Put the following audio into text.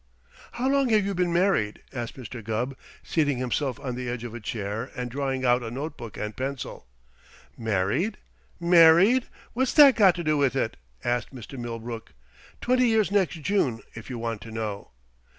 "How long have you been married?" asked Mr. Gubb, seating himself on the edge of a chair and drawing out a notebook and pencil. "Married? Married? What's that got to do with it?" asked Mr. Millbrook. "Twenty years next June, if you want to know."